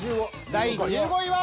第１５位は。